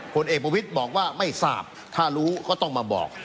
ผลเอกประวิทย์บอกว่าไม่ทราบถ้ารู้ก็ต้องมาบอก